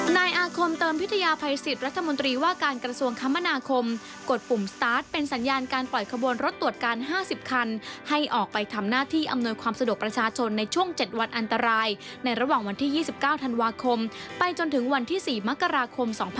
นายอาคมเติมพิทยาภัยสิทธิ์รัฐมนตรีว่าการกระทรวงคมนาคมกดปุ่มสตาร์ทเป็นสัญญาณการปล่อยขบวนรถตรวจการ๕๐คันให้ออกไปทำหน้าที่อำนวยความสะดวกประชาชนในช่วง๗วันอันตรายในระหว่างวันที่๒๙ธันวาคมไปจนถึงวันที่๔มกราคม๒๕๖๒